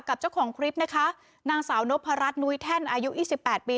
กับเจ้าของคลิปนะคะนางสาวนพรัชนุ้ยแท่นอายุยี่สิบแปดปี